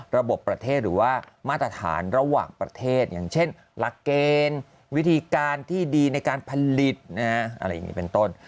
ระบบประเทศหรือว่ามาตรฐานระหว่างประเทศอย่างเช่นหลักเกณฑ์วิธีการที่ดีในการผลิตอะไรอย่างนี้เป็นต้น